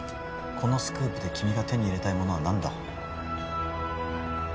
このスクープで君が手に入れたいものは何だ？